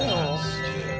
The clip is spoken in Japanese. すげえ。